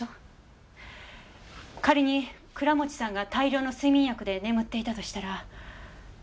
仮に倉持さんが大量の睡眠薬で眠っていたとしたら。